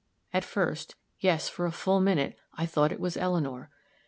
At first yes, for a full minute I thought it was Eleanor!